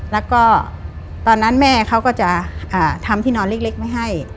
แล้วก็ตอนนั้นแม่เขาก็จะทำที่นอนเล็กไว้ให้